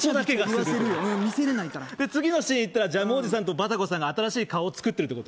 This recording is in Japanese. うん見せれないから次のシーンいったらジャムおじさんとバタコさんが新しい顔を作ってるってこと？